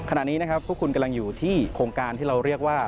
ขณะนี้นะครับพวกคุณกำลังอยู่ที่โครงการที่เราเรียกว่า